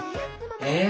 え？